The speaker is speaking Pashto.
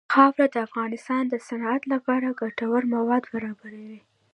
خاوره د افغانستان د صنعت لپاره ګټور مواد برابروي.